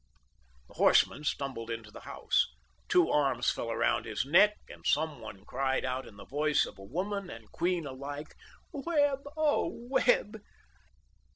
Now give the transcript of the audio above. The horseman stumbled into the house. Two arms fell around his neck, and someone cried out in the voice of woman and queen alike: "Webb— oh, Webb!"